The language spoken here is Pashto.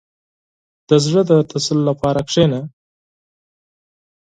• د زړه د تسل لپاره کښېنه.